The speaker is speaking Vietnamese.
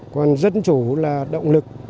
còn dân chủ là động lực